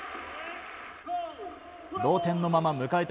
同点のまま迎えた